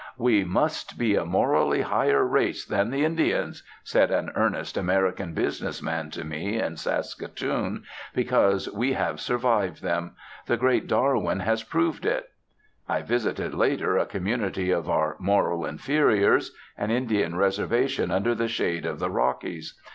"We must be a Morally Higher race than the Indians," said an earnest American businessman to me in Saskatoon, "because we have Survived them. The Great Darwin has proved it." I visited, later, a community of our Moral Inferiors, an Indian 'reservation' under the shade of the Rockies.